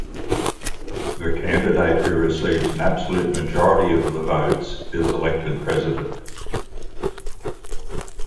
The candidate who receives an absolute majority of the votes is elected president.